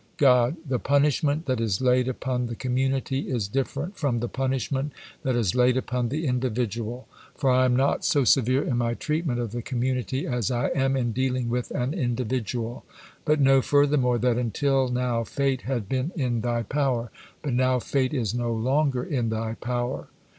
God: "The punishment that is laid upon the community is different from the punishment that is laid upon the individual, for I am not so severe in my treatment of the community as I am in dealing with an individual. But know, furthermore, that until now fate had been in thy power, but now fate is no longer in thy power."